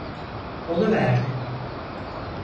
Oluverdi.